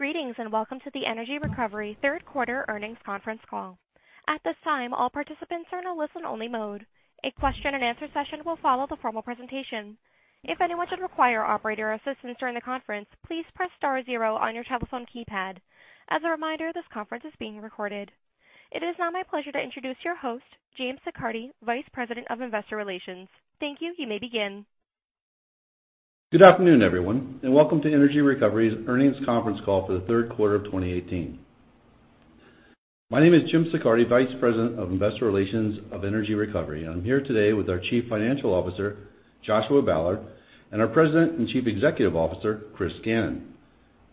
Greetings, and welcome to the Energy Recovery third quarter earnings conference call. At this time, all participants are in a listen-only mode. A question-and-answer session will follow the formal presentation. If anyone should require operator assistance during the conference, please press star zero on your telephone keypad. As a reminder, this conference is being recorded. It is now my pleasure to introduce your host, James Siccardi, Vice President of Investor Relations. Thank you. You may begin. Good afternoon, everyone, and welcome to Energy Recovery's earnings conference call for the third quarter of 2018. My name is Jim Siccardi, Vice President of Investor Relations of Energy Recovery, and I'm here today with our Chief Financial Officer, Joshua Ballard, and our President and Chief Executive Officer, Chris Gannon.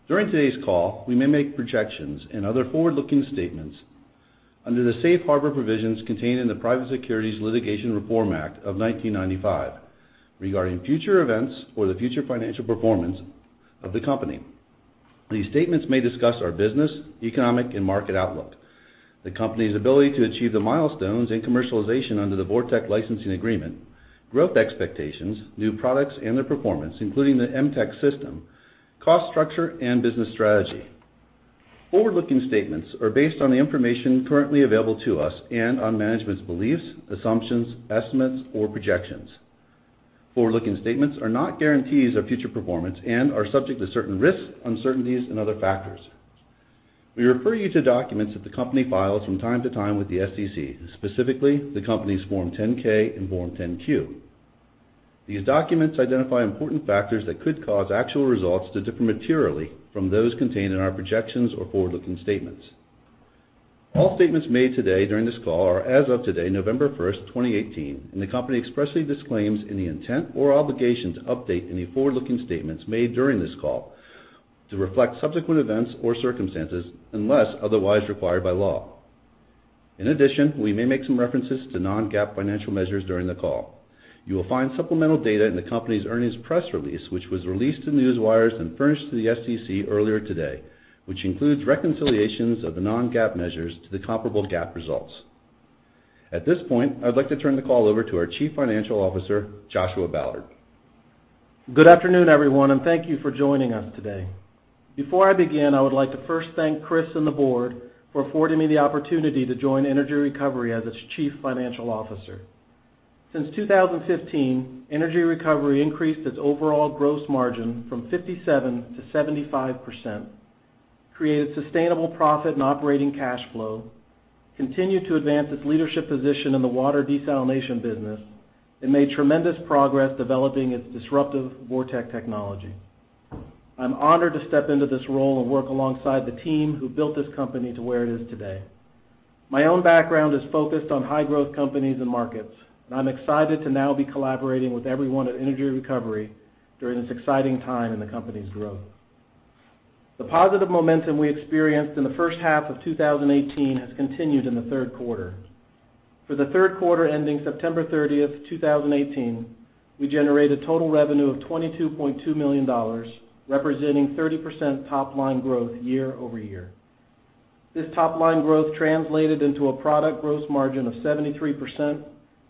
During today's call, we may make projections and other forward-looking statements under the safe harbor provisions contained in the Private Securities Litigation Reform Act of 1995 regarding future events or the future financial performance of the company. These statements may discuss our business, economic, and market outlook, the company's ability to achieve the milestones and commercialization under the VorTeq licensing agreement, growth expectations, new products and their performance, including the MTeq system, cost structure, and business strategy. Forward-looking statements are based on the information currently available to us and on management's beliefs, assumptions, estimates, or projections. Forward-looking statements are not guarantees of future performance and are subject to certain risks, uncertainties, and other factors. We refer you to documents that the company files from time to time with the SEC, specifically the company's Form 10-K and Form 10-Q. These documents identify important factors that could cause actual results to differ materially from those contained in our projections or forward-looking statements. All statements made today during this call are as of today, November 1st, 2018, and the company expressly disclaims any intent or obligation to update any forward-looking statements made during this call to reflect subsequent events or circumstances, unless otherwise required by law. In addition, we may make some references to non-GAAP financial measures during the call. You will find supplemental data in the company's earnings press release, which was released to newswires and furnished to the SEC earlier today, which includes reconciliations of the non-GAAP measures to the comparable GAAP results. At this point, I'd like to turn the call over to our Chief Financial Officer, Joshua Ballard. Good afternoon, everyone, and thank you for joining us today. Before I begin, I would like to first thank Chris and the board for affording me the opportunity to join Energy Recovery as its Chief Financial Officer. Since 2015, Energy Recovery increased its overall gross margin from 57% to 75%, created sustainable profit and operating cash flow, continued to advance its leadership position in the water desalination business, and made tremendous progress developing its disruptive VorTeq technology. I'm honored to step into this role and work alongside the team who built this company to where it is today. My own background is focused on high-growth companies and markets, and I'm excited to now be collaborating with everyone at Energy Recovery during this exciting time in the company's growth. The positive momentum we experienced in the first half of 2018 has continued in the third quarter. For the third quarter ending September 30th, 2018, we generated total revenue of $22.2 million, representing 30% top-line growth year-over-year. This top-line growth translated into a product gross margin of 73%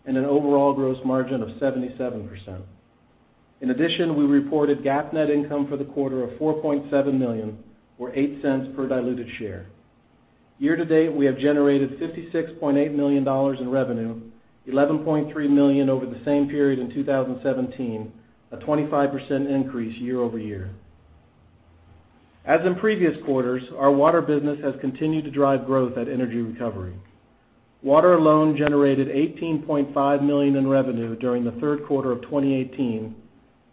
and an overall gross margin of 77%. In addition, we reported GAAP net income for the quarter of $4.7 million or $0.08 per diluted share. Year to date, we have generated $56.8 million in revenue, $11.3 million over the same period in 2017, a 25% increase year-over-year. As in previous quarters, our water business has continued to drive growth at Energy Recovery. Water alone generated $18.5 million in revenue during the third quarter of 2018,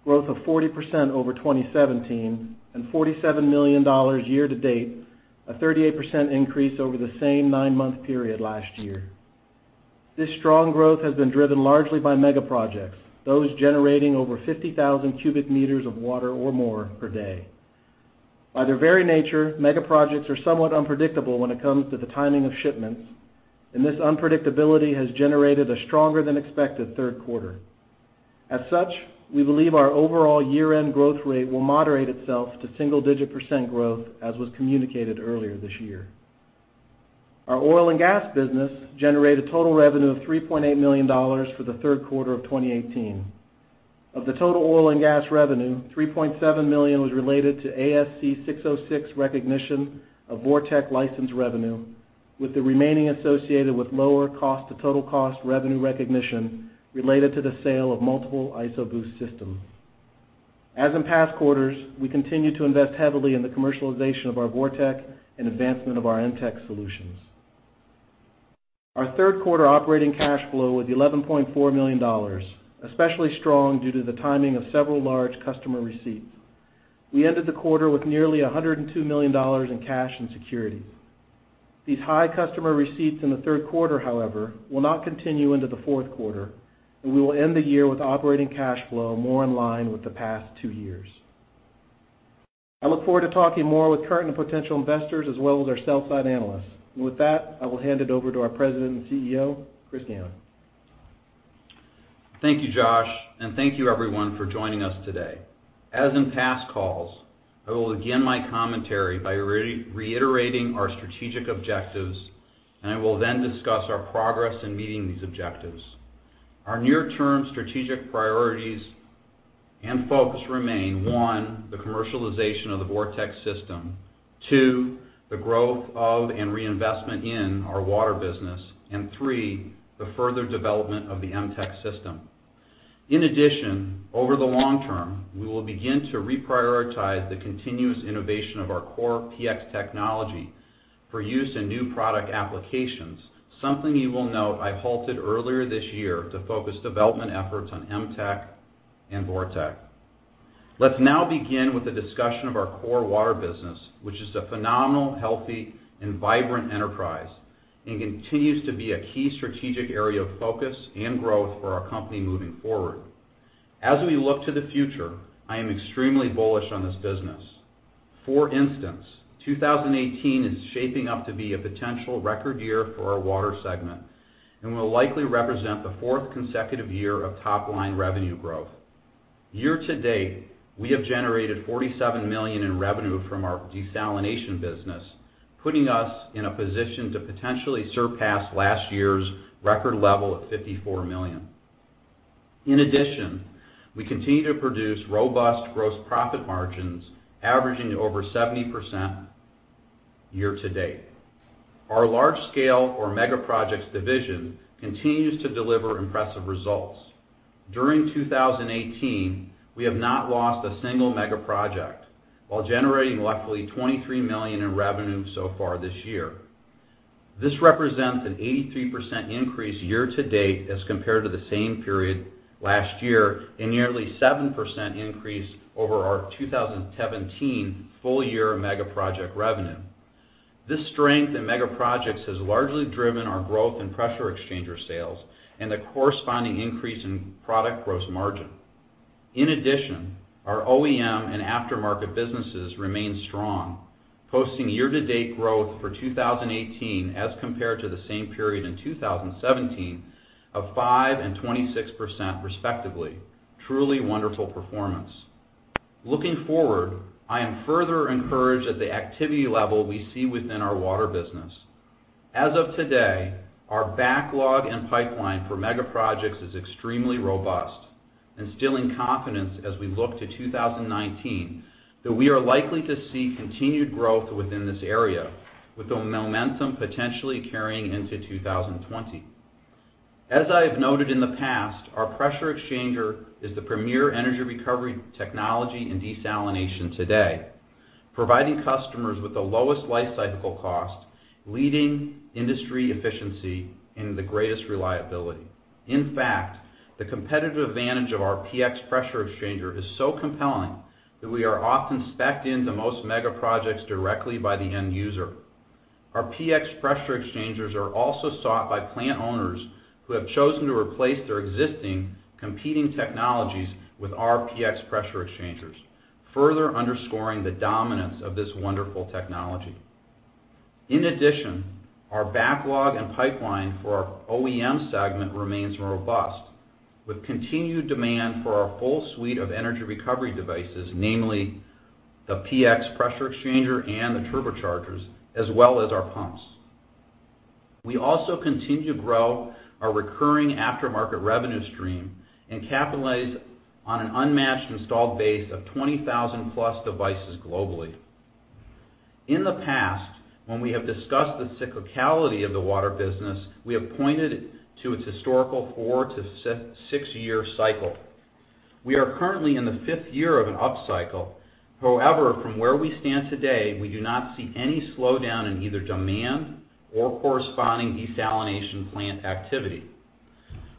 growth of 40% over 2017, and $47 million year to date, a 38% increase over the same nine-month period last year. This strong growth has been driven largely by mega projects, those generating over 50,000 cubic meters of water or more per day. By their very nature, mega projects are somewhat unpredictable when it comes to the timing of shipments, and this unpredictability has generated a stronger than expected third quarter. As such, we believe our overall year-end growth rate will moderate itself to single-digit % growth, as was communicated earlier this year. Our oil and gas business generated total revenue of $3.8 million for the third quarter of 2018. Of the total oil and gas revenue, $3.7 million was related to ASC 606 recognition of VorTeq license revenue, with the remaining associated with lower cost to total cost revenue recognition related to the sale of multiple IsoBoost systems. As in past quarters, we continue to invest heavily in the commercialization of our VorTeq and advancement of our MTeq solutions. Our third quarter operating cash flow was $11.4 million, especially strong due to the timing of several large customer receipts. We ended the quarter with nearly $102 million in cash and securities. These high customer receipts in the third quarter, however, will not continue into the fourth quarter, and we will end the year with operating cash flow more in line with the past two years. I look forward to talking more with current and potential investors as well as our sell side analysts. With that, I will hand it over to our President and CEO, Chris Gannon. Thank you, Josh, thank you, everyone, for joining us today. As in past calls, I will begin my commentary by reiterating our strategic objectives. I will then discuss our progress in meeting these objectives. Our near-term strategic priorities and focus remain, one, the commercialization of the VorTeq system, two, the growth of and reinvestment in our water business, three, the further development of the MTeq system. Over the long term, we will begin to reprioritize the continuous innovation of our core PX technology for use in new product applications, something you will note I halted earlier this year to focus development efforts on MTeq and VorTeq. Let's now begin with a discussion of our core water business, which is a phenomenal, healthy, and vibrant enterprise, continues to be a key strategic area of focus and growth for our company moving forward. As we look to the future, I am extremely bullish on this business. For instance, 2018 is shaping up to be a potential record year for our water segment, will likely represent the fourth consecutive year of top-line revenue growth. Year-to-date, we have generated $47 million in revenue from our desalination business, putting us in a position to potentially surpass last year's record level of $54 million. In addition, we continue to produce robust gross profit margins, averaging over 70% year-to-date. Our large-scale or mega projects division continues to deliver impressive results. During 2018, we have not lost a single mega project while generating roughly $23 million in revenue so far this year. This represents an 83% increase year-to-date as compared to the same period last year, nearly 7% increase over our 2017 full-year mega project revenue. This strength in mega projects has largely driven our growth in pressure exchanger sales and the corresponding increase in product gross margin. Addition, our OEM and aftermarket businesses remain strong, posting year-to-date growth for 2018 as compared to the same period in 2017 of 5% and 26% respectively. Truly wonderful performance. Looking forward, I am further encouraged at the activity level we see within our water business. As of today, our backlog and pipeline for mega projects is extremely robust, instilling confidence as we look to 2019 that we are likely to see continued growth within this area, with the momentum potentially carrying into 2020. As I have noted in the past, our pressure exchanger is the premier energy recovery technology in desalination today, providing customers with the lowest life cyclical cost, leading industry efficiency, and the greatest reliability. In fact, the competitive advantage of our PX Pressure Exchanger is so compelling that we are often spec'd into most mega projects directly by the end user. Our PX Pressure Exchangers are also sought by plant owners who have chosen to replace their existing competing technologies with our PX Pressure Exchangers, further underscoring the dominance of this wonderful technology. In addition, our backlog and pipeline for our OEM segment remains robust with continued demand for our full suite of Energy Recovery devices, namely the PX Pressure Exchanger and the turbochargers, as well as our pumps. We also continue to grow our recurring aftermarket revenue stream and capitalize on an unmatched installed base of 20,000-plus devices globally. In the past, when we have discussed the cyclicality of the water business, we have pointed to its historical four to six-year cycle. We are currently in the fifth year of an upcycle. From where we stand today, we do not see any slowdown in either demand or corresponding desalination plant activity.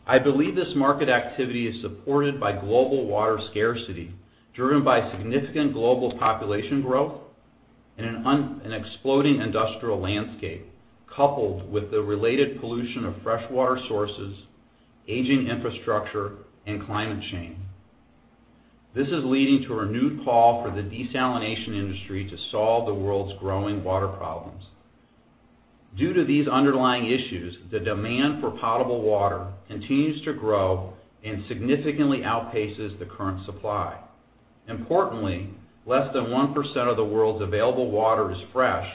I believe this market activity is supported by global water scarcity, driven by significant global population growth and an exploding industrial landscape, coupled with the related pollution of fresh water sources, aging infrastructure, and climate change. This is leading to a renewed call for the desalination industry to solve the world's growing water problems. Due to these underlying issues, the demand for potable water continues to grow and significantly outpaces the current supply. Importantly, less than 1% of the world's available water is fresh,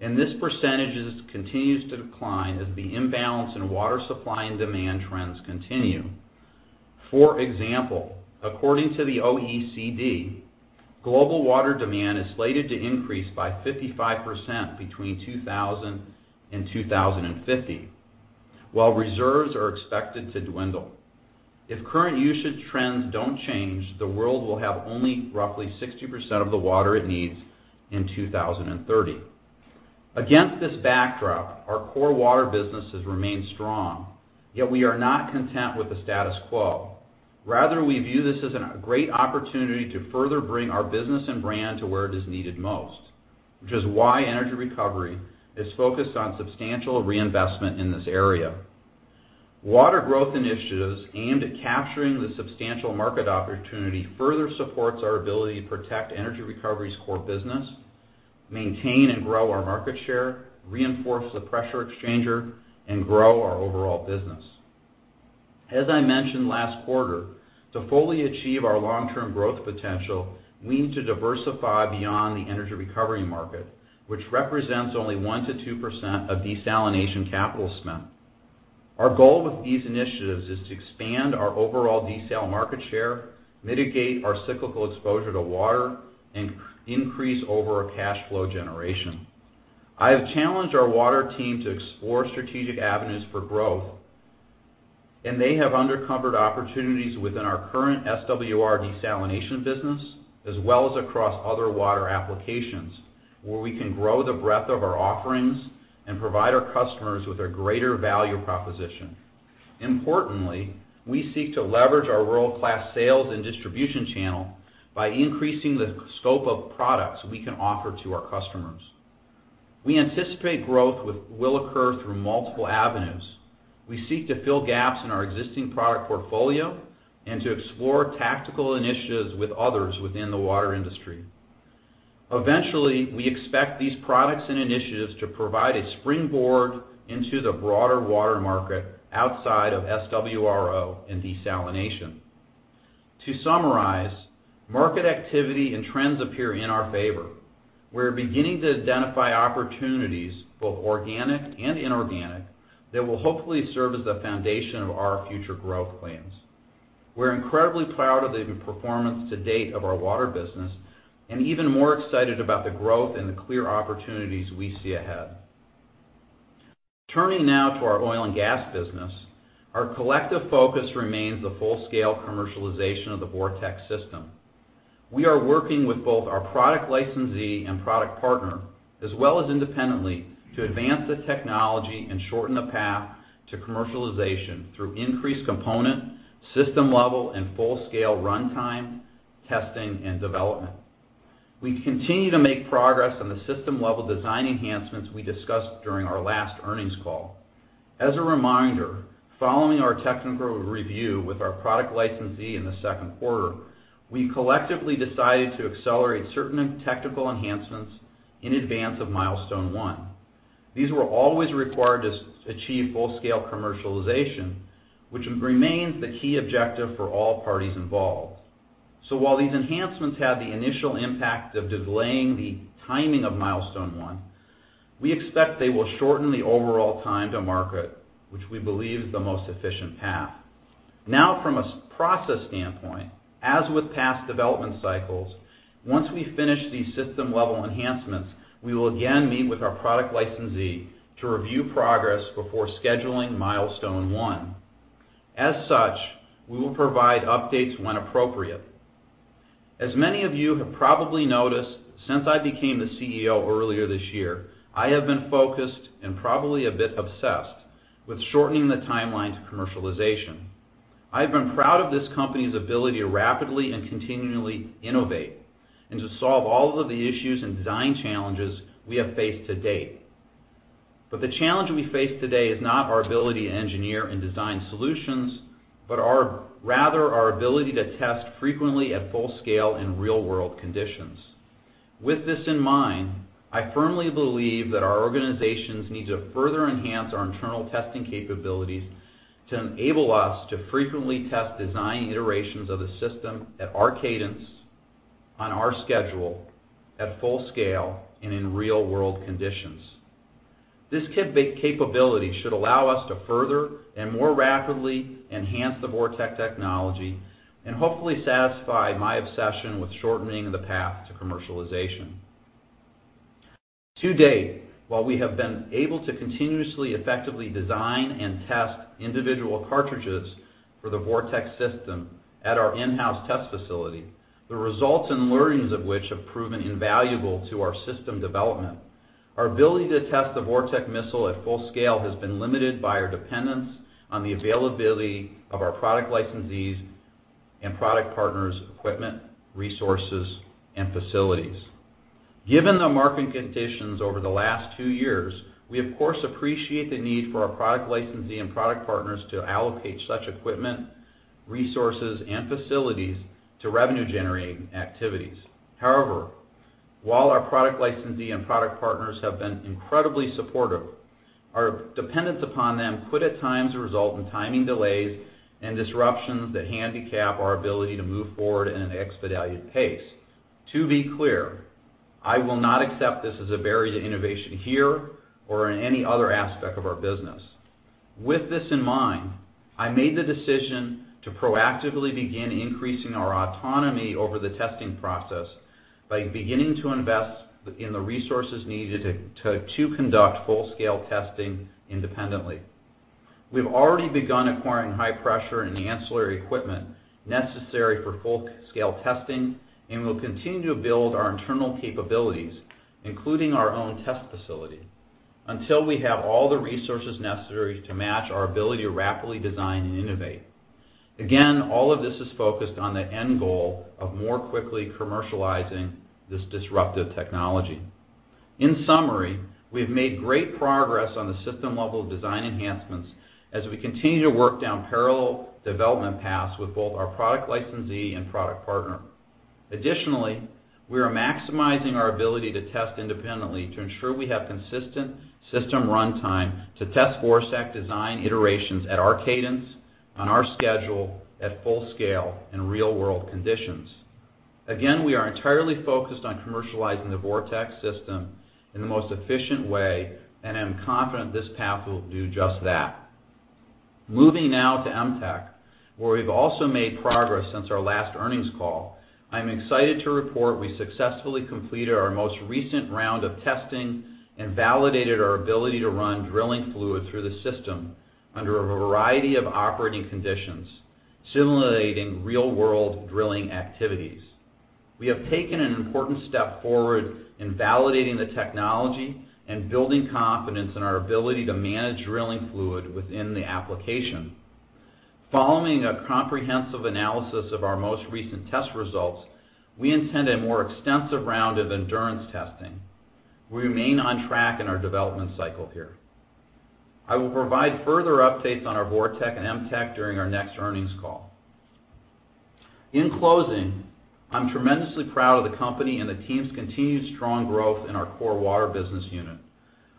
and this percentage continues to decline as the imbalance in water supply and demand trends continue. For example, according to the OECD, global water demand is slated to increase by 55% between 2000 and 2050, while reserves are expected to dwindle. If current usage trends don't change, the world will have only roughly 60% of the water it needs in 2030. Against this backdrop, our core water businesses remain strong. Yet we are not content with the status quo. Rather, we view this as a great opportunity to further bring our business and brand to where it is needed most, which is why Energy Recovery is focused on substantial reinvestment in this area. Water growth initiatives aimed at capturing the substantial market opportunity further supports our ability to protect Energy Recovery's core business, maintain and grow our market share, reinforce the Pressure Exchanger, and grow our overall business. As I mentioned last quarter. To fully achieve our long-term growth potential, we need to diversify beyond the Energy Recovery market, which represents only 1% to 2% of desalination capital spend. Our goal with these initiatives is to expand our overall desal market share, mitigate our cyclical exposure to water, and increase overall cash flow generation. I have challenged our water team to explore strategic avenues for growth, and they have uncovered opportunities within our current SWRO desalination business as well as across other water applications where we can grow the breadth of our offerings and provide our customers with a greater value proposition. Importantly, we seek to leverage our world-class sales and distribution channel by increasing the scope of products we can offer to our customers. We anticipate growth will occur through multiple avenues. We seek to fill gaps in our existing product portfolio and to explore tactical initiatives with others within the water industry. Eventually, we expect these products and initiatives to provide a springboard into the broader water market outside of SWRO and desalination. To summarize, market activity and trends appear in our favor. We are beginning to identify opportunities, both organic and inorganic, that will hopefully serve as the foundation of our future growth plans. We are incredibly proud of the performance to date of our water business and even more excited about the growth and the clear opportunities we see ahead. Turning now to our oil and gas business, our collective focus remains the full-scale commercialization of the VorTeq system. We are working with both our product licensee and product partner, as well as independently, to advance the technology and shorten the path to commercialization through increased component, system-level, and full-scale runtime testing and development. We continue to make progress on the system-level design enhancements we discussed during our last earnings call. As a reminder, following our technical review with our product licensee in the second quarter, we collectively decided to accelerate certain technical enhancements in advance of milestone one. These were always required to achieve full-scale commercialization, which remains the key objective for all parties involved. While these enhancements had the initial impact of delaying the timing of milestone one, we expect they will shorten the overall time to market, which we believe is the most efficient path. From a process standpoint, as with past development cycles, once we finish these system-level enhancements, we will again meet with our product licensee to review progress before scheduling milestone one. We will provide updates when appropriate. As many of you have probably noticed, since I became the CEO earlier this year, I have been focused and probably a bit obsessed with shortening the timeline to commercialization. I have been proud of this company's ability to rapidly and continually innovate and to solve all of the issues and design challenges we have faced to date. The challenge we face today is not our ability to engineer and design solutions, but rather our ability to test frequently at full scale in real-world conditions. With this in mind, I firmly believe that our organizations need to further enhance our internal testing capabilities to enable us to frequently test design iterations of the system at our cadence, on our schedule, at full scale, and in real-world conditions. This capability should allow us to further and more rapidly enhance the VorTeq technology and hopefully satisfy my obsession with shortening the path to commercialization. To date, while we have been able to continuously effectively design and test individual cartridges for the VorTeq system at our in-house test facility, the results and learnings of which have proven invaluable to our system development, our ability to test the VorTeq missile at full scale has been limited by our dependence on the availability of our product licensees and product partners equipment, resources, and facilities. Given the market conditions over the last two years, we, of course, appreciate the need for our product licensee and product partners to allocate such equipment, resources, and facilities to revenue-generating activities. While our product licensee and product partners have been incredibly supportive, our dependence upon them could at times result in timing delays and disruptions that handicap our ability to move forward at an expedited pace. To be clear, I will not accept this as a barrier to innovation here or in any other aspect of our business. With this in mind, I made the decision to proactively begin increasing our autonomy over the testing process by beginning to invest in the resources needed to conduct full-scale testing independently. We have already begun acquiring high pressure and the ancillary equipment necessary for full-scale testing, and we will continue to build our internal capabilities, including our own test facility, until we have all the resources necessary to match our ability to rapidly design and innovate. Again, all of this is focused on the end goal of more quickly commercializing this disruptive technology. In summary, we have made great progress on the system-level design enhancements as we continue to work down parallel development paths with both our product licensee and product partner. Additionally, we are maximizing our ability to test independently to ensure we have consistent system runtime to test VorTeq design iterations at our cadence, on our schedule, at full-scale, in real-world conditions. Again, we are entirely focused on commercializing the VorTeq system in the most efficient way, and I'm confident this path will do just that. Moving now to MTeq, where we've also made progress since our last earnings call. I'm excited to report we successfully completed our most recent round of testing and validated our ability to run drilling fluid through the system under a variety of operating conditions, simulating real-world drilling activities. We have taken an important step forward in validating the technology and building confidence in our ability to manage drilling fluid within the application. Following a comprehensive analysis of our most recent test results, we intend a more extensive round of endurance testing. We remain on track in our development cycle here. I will provide further updates on our VorTeq and MTeq during our next earnings call. In closing, I'm tremendously proud of the company and the team's continued strong growth in our core water business unit.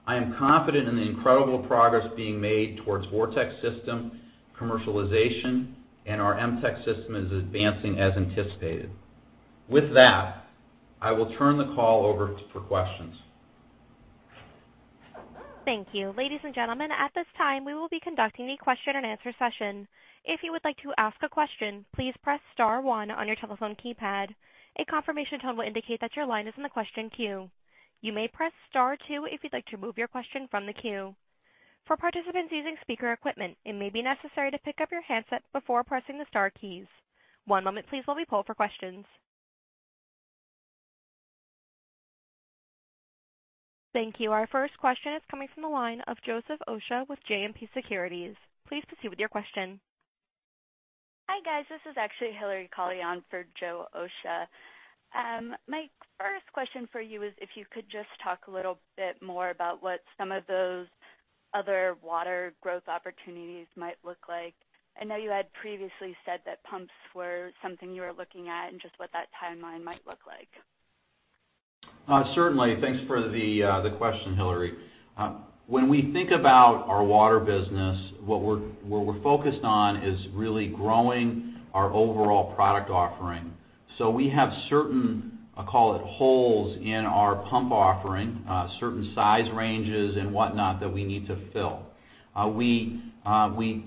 I am confident in the incredible progress being made towards VorTeq system commercialization, and our MTeq system is advancing as anticipated. With that, I will turn the call over for questions. Thank you. Ladies and gentlemen, at this time, we will be conducting the question and answer session. If you would like to ask a question, please press star one on your telephone keypad. A confirmation tone will indicate that your line is in the question queue. You may press star two if you'd like to remove your question from the queue. For participants using speaker equipment, it may be necessary to pick up your handset before pressing the star keys. One moment please while we poll for questions. Thank you. Our first question is coming from the line of Joseph Osha with JMP Securities. Please proceed with your question. Hi, guys. This is actually Hillary Callion for Joe Osha. My first question for you is if you could just talk a little bit more about what some of those other water growth opportunities might look like. I know you had previously said that pumps were something you were looking at, and just what that timeline might look like. Certainly. Thanks for the question, Hillary. When we think about our water business, what we're focused on is really growing our overall product offering. We have certain, call it holes, in our pump offering, certain size ranges and whatnot that we need to fill. We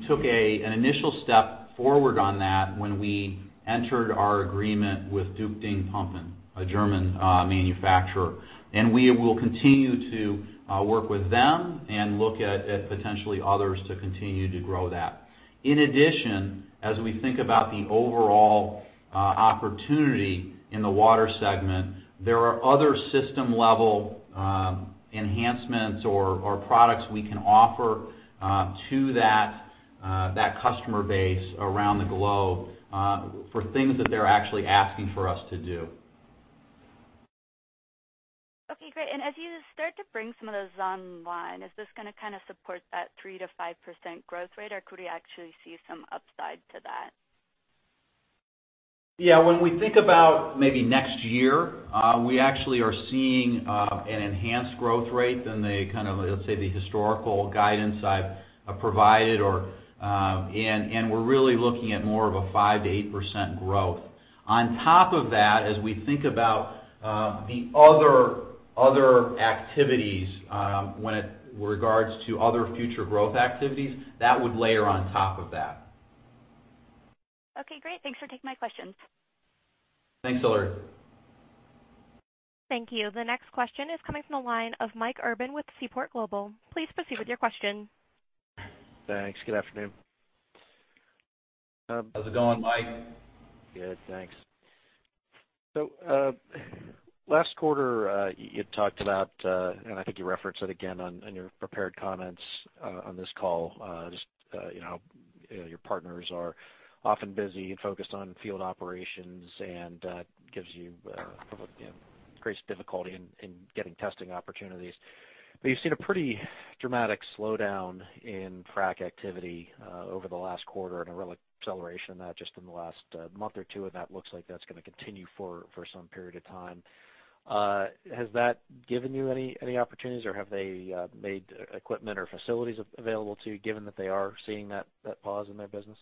took an initial step forward on that when we entered our agreement with Düchting Pumpen, a German manufacturer. We will continue to work with them and look at potentially others to continue to grow that. In addition, as we think about the overall opportunity in the water segment, there are other system-level enhancements or products we can offer to that customer base around the globe for things that they're actually asking for us to do. Okay, great. As you start to bring some of those online, is this going to kind of support that 3%-5% growth rate, or could we actually see some upside to that? Yeah. When we think about maybe next year, we actually are seeing an enhanced growth rate than the kind of, let's say, the historical guidance I've provided, and we're really looking at more of a 5%-8% growth. On top of that, as we think about the other activities, when it regards to other future growth activities, that would layer on top of that. Okay, great. Thanks for taking my questions. Thanks, Hillary. Thank you. The next question is coming from the line of Mike Urban with Seaport Global. Please proceed with your question. Thanks. Good afternoon. How's it going, Mike? Good, thanks. Last quarter, you had talked about, and I think you referenced it again on your prepared comments on this call, just your partners are often busy and focused on field operations and that gives you great difficulty in getting testing opportunities. You've seen a pretty dramatic slowdown in frack activity over the last quarter and a real acceleration just in the last month or two, and that looks like that's going to continue for some period of time. Has that given you any opportunities, or have they made equipment or facilities available to you, given that they are seeing that pause in their business?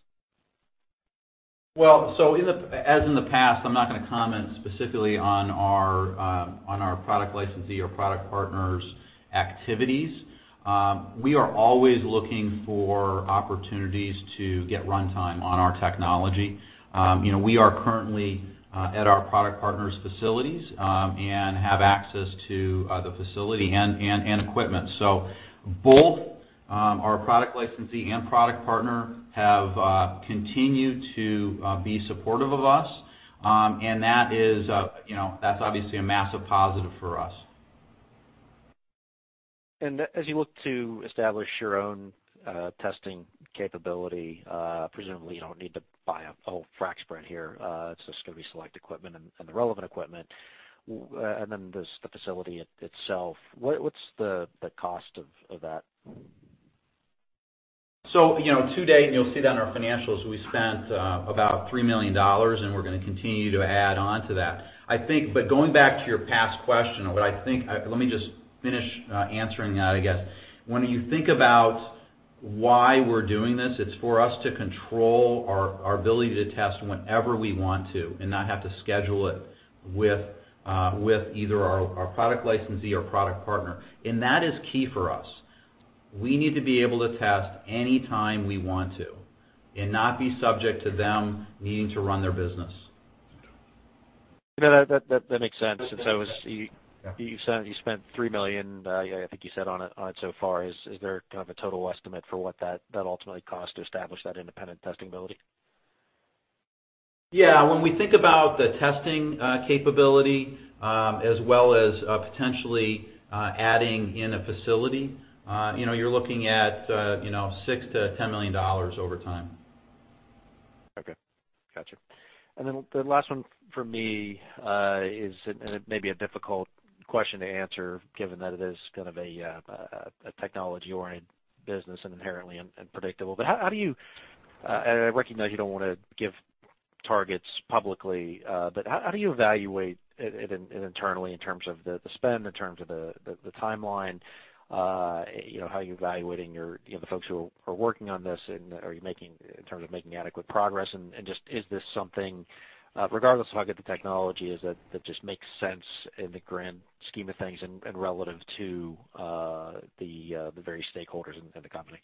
As in the past, I'm not going to comment specifically on our product licensee or product partners' activities. We are always looking for opportunities to get runtime on our technology. We are currently at our product partner's facilities and have access to the facility and equipment. Both our product licensee and product partner have continued to be supportive of us. That's obviously a massive positive for us. As you look to establish your own testing capability, presumably you don't need to buy a whole frack spread here. It's just going to be select equipment and the relevant equipment. Then there's the facility itself. What's the cost of that? To date, you'll see that in our financials, we spent about $3 million, and we're going to continue to add on to that. Going back to your past question, Let me just finish answering that, I guess. When you think about why we're doing this, it's for us to control our ability to test whenever we want to and not have to schedule it with either our product licensee or product partner. That is key for us. We need to be able to test anytime we want to and not be subject to them needing to run their business. That makes sense. Yeah. You said you spent $3 million, I think you said, on it so far. Is there kind of a total estimate for what that ultimately costs to establish that independent testing ability? Yeah. When we think about the testing capability, as well as potentially adding in a facility, you're looking at $6 million-$10 million over time. Okay. Got you. The last one from me is, it may be a difficult question to answer given that it is kind of a technology oriented business and inherently unpredictable. I recognize you don't want to give targets publicly, but how do you evaluate internally in terms of the spend, in terms of the timeline, how you're evaluating the folks who are working on this, and are you making, in terms of making adequate progress and just is this something, regardless of how good the technology is, that just makes sense in the grand scheme of things and relative to the various stakeholders in the company?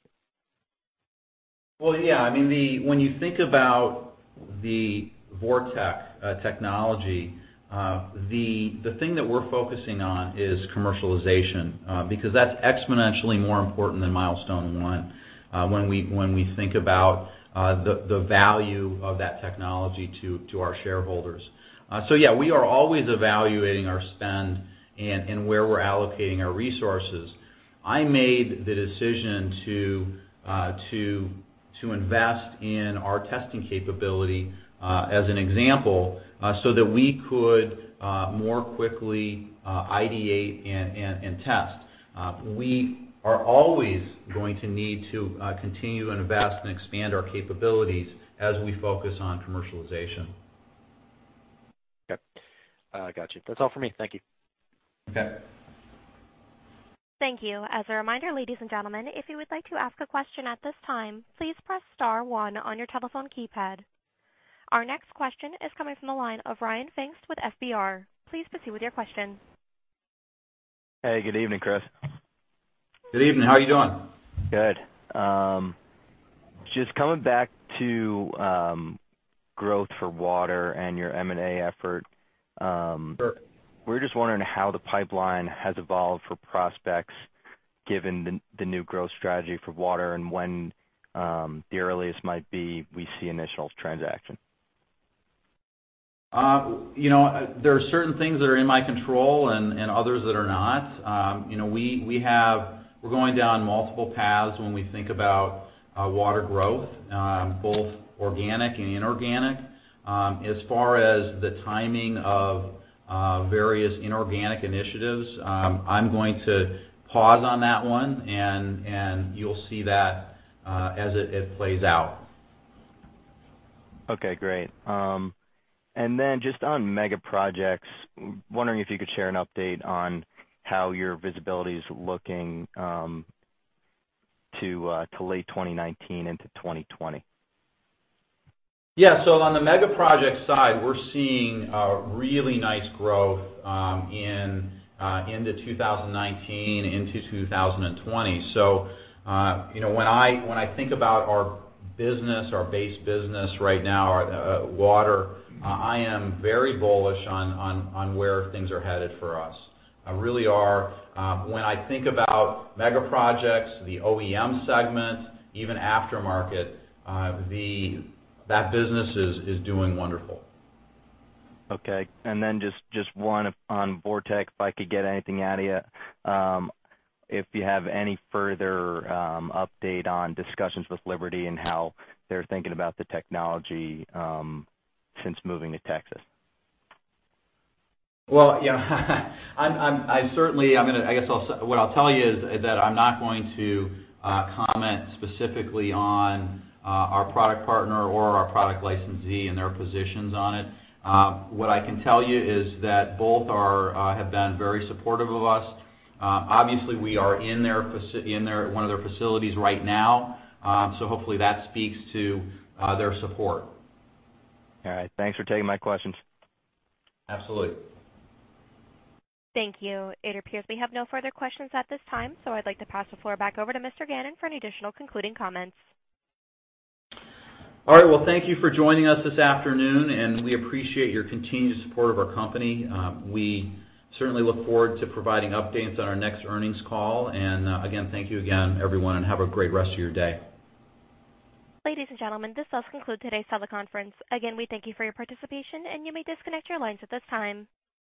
Yeah. When you think about the VorTeq technology, the thing that we're focusing on is commercialization, because that's exponentially more important than milestone one when we think about the value of that technology to our shareholders. We are always evaluating our spend and where we're allocating our resources. I made the decision to invest in our testing capability, as an example, so that we could more quickly ideate and test. We are always going to need to continue and invest and expand our capabilities as we focus on commercialization. Okay. Got you. That's all for me. Thank you. Okay. Thank you. As a reminder, ladies and gentlemen, if you would like to ask a question at this time, please press star one on your telephone keypad. Our next question is coming from the line of Ryan Pfingst with FBR. Please proceed with your question. Hey, good evening, Chris. Good evening. How are you doing? Good. Just coming back to growth for water and your M&A effort. Sure. We're just wondering how the pipeline has evolved for prospects, given the new growth strategy for water and when the earliest might be we see initial transaction. There are certain things that are in my control and others that are not. We're going down multiple paths when we think about water growth, both organic and inorganic. As far as the timing of various inorganic initiatives, I'm going to pause on that one, and you'll see that as it plays out. Okay, great. Then just on mega projects, wondering if you could share an update on how your visibility's looking to late 2019 into 2020. Yeah. On the mega project side, we're seeing a really nice growth into 2019, into 2020. When I think about our base business right now, water, I am very bullish on where things are headed for us. I really are. When I think about mega projects, the OEM segment, even aftermarket, that business is doing wonderful. Okay. Then just one on VorTeq, if I could get anything out of you. If you have any further update on discussions with Liberty and how they're thinking about the technology since moving to Texas. Well, I guess what I'll tell you is that I'm not going to comment specifically on our product partner or our product licensee and their positions on it. What I can tell you is that both have been very supportive of us. Obviously, we are in one of their facilities right now. Hopefully that speaks to their support. All right. Thanks for taking my questions. Absolutely. Thank you. It appears we have no further questions at this time. I'd like to pass the floor back over to Mr. Gannon for any additional concluding comments. All right. Well, thank you for joining us this afternoon, and we appreciate your continued support of our company. We certainly look forward to providing updates on our next earnings call. Again, thank you again everyone, and have a great rest of your day. Ladies and gentlemen, this does conclude today's teleconference. Again, we thank you for your participation, and you may disconnect your lines at this time.